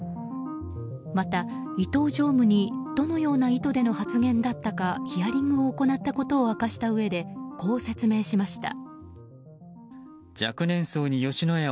また、伊東常務にどのような意図での発言だったのかヒアリングを行ったことを明かしたうえでこう説明しました。